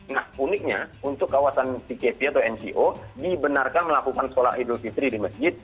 nah uniknya untuk kawasan pkp atau ngo dibenarkan melakukan sholat idul fitri di masjid